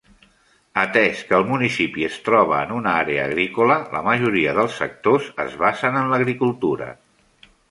Atès que el municipi es troba en una àrea agrícola, la majoria dels sectors es basen en la agricultura.